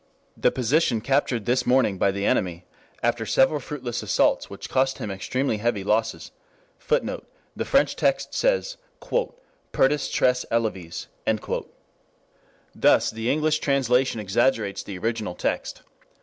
The position captured this morning by the enemy after several fruitless assaults which cost him extremely heavy losses, [Footnote: The French text says "pertes tres elevees." Thus the English translation exaggerates the original text.